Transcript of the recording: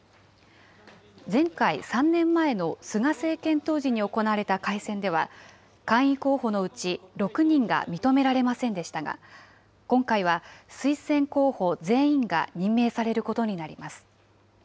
前回・３年前の菅政権当時に行われた改選では、会員候補のうち６人が認められませんでしたが、今回は推薦候補全員が任命されることになります。